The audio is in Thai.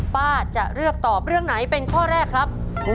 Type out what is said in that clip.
ป้าจะเลือกตอบเรื่องไหนเป็นข้อแรกครับ